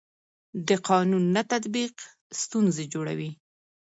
د قانون نه تطبیق ستونزې جوړوي